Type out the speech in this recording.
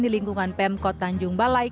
di lingkungan pemkot tanjung balai